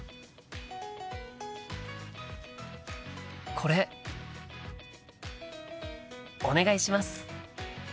これお願いします。